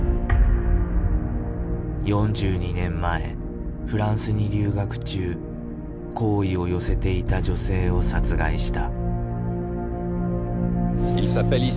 ４２年前フランスに留学中好意を寄せていた女性を殺害した。